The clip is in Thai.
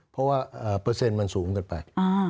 เพราะว่าเปอร์เซ็นต์มันสูงเกินไป